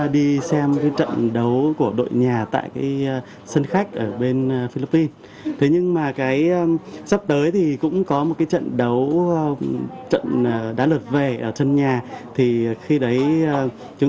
để sang philippines để xem bóng